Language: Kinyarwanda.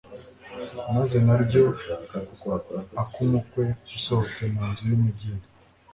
maze na ryo ak’umukwe usohotse mu nzu y’ubugeni